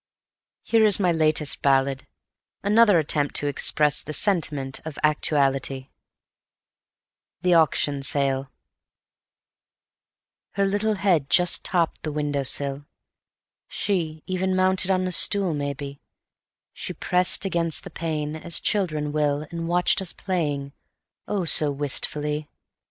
Here is my latest ballad, another attempt to express the sentiment of actuality: The Auction Sale Her little head just topped the window sill; She even mounted on a stool, maybe; She pressed against the pane, as children will, And watched us playing, oh so wistfully!